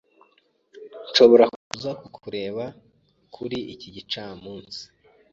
Nshobora kuza kukureba kuri iki gicamunsi?